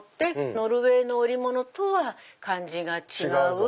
ノルウェーの織物とは感じが違う。